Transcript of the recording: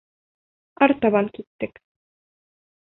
Артабан киттек.